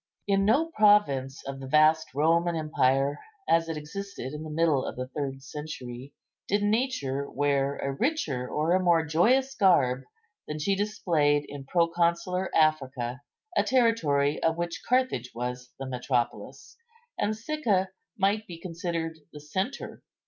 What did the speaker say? In no province of the vast Roman empire, as it existed in the middle of the third century, did Nature wear a richer or a more joyous garb than she displayed in Proconsular Africa, a territory of which Carthage was the metropolis, and Sicca might be considered the centre.